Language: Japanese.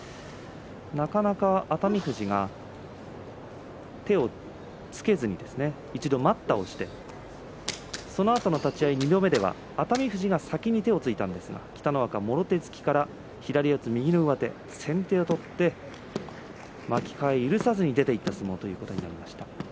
なかなか熱海富士が手をつけずに一度待ったをしてそのあとの立ち合い２度目では熱海富士が先に手をついたんですが北の若、もろ手突きから右の上手先手を取って巻き替えを許さずに出ていった相撲となりました。